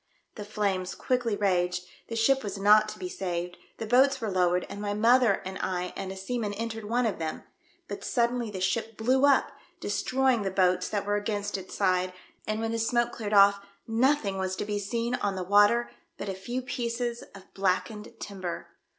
The flames quickly raged, the ship was not to be saved, the boats were lowered and my mother and I and a seaman entered one of them, but suddenly the ship blew up, destroying the boats that were ao ainst its side, and when the smoke cleared oft" nothing was to be seen on the vv^ater but a few pieces of blackened timber.